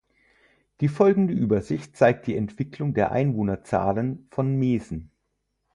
Die folgende Übersicht zeigt die Entwicklung der Einwohnerzahlen von Mesen.